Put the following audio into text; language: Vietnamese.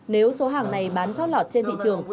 nếu số hàng này bán chót lọt trên thị trường